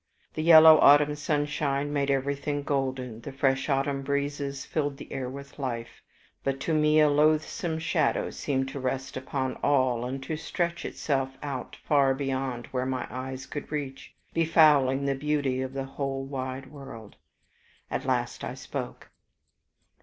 The yellow autumn sunshine made everything golden, the fresh autumn breezes filled the air with life; but to me a loathsome shadow seemed to rest upon all, and to stretch itself out far beyond where my eyes could reach, befouling the beauty of the whole wide world. At last I spoke.